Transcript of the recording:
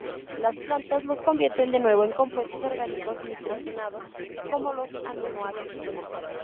Las plantas los convierten de nuevo en compuestos orgánicos nitrogenados como los aminoácidos.